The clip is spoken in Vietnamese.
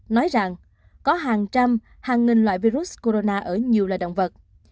nói rằng có hàng trăm hàng nghìn loại virus corona ở nhiều loài động vật